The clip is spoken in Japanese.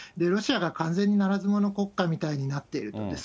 ロシアが完全にならずもの国家みたいになってると。